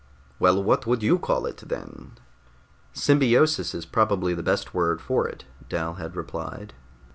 "Well, what would you call it, then?" "Symbiosis is probably the best word for it," Dal had replied.